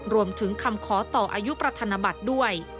รวมถึงคำขอต่ออายุประธนบัตรด้วย